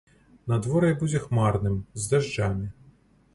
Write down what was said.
Надвор'е будзе хмарным, з дажджамі.